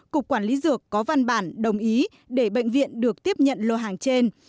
cục quản lý dược có văn bản đồng ý để bệnh viện được tiếp nhận lô hàng trên